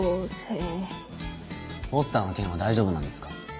ポスターの件は大丈夫なんですか？